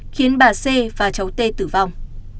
khiến bà c và cháu t tử vong